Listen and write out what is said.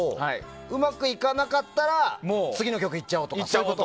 うまくいかなかったら次の曲に行っちゃおうと。